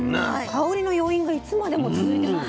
香りの余韻がいつまでも続いてます。